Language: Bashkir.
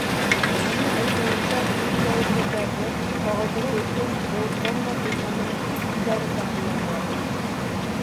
Уның әйтеүенсә, ҡыйыу яугирҙәрҙе сағылдырыу өсөн был форма донъяның күп илдәрендә ҡулланыла.